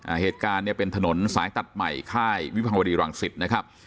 เหตุการณ์เนี่ยเป็นถนนสายตัดใหม่ค่ายวิภาวดีรังสิตนะครับ